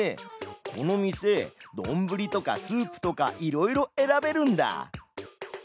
この店どんぶりとかスープとかいろいろえらべるんだ！